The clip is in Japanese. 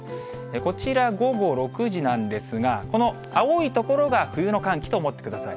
こちら、午後６時なんですが、この青い所が冬の寒気と思ってください。